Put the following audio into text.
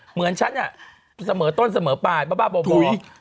เหมือนฉันอะเสมอต้นเสมอปลายปล่าป่ะ